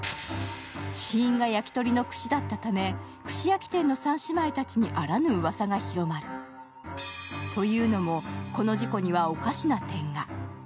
死因が焼き鳥の串だったため、串焼き店の三姉妹たちにあらぬうわさが広まるというのも、この事故にはおかしな点が。